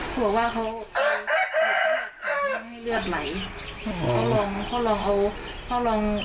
เพราะว่าเขาเอาห้องคลอดออกจากช่องคลอดไม่ให้เลือดไหล